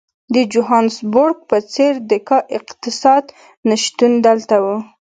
د جوهانسبورګ په څېر د کا اقتصاد نه شتون دلته وو.